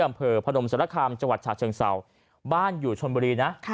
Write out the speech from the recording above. อำเภอพนมสละคอร์มจังหวัดฉาเซิงเซาบ้านอยู่ชนบุรีน่ะ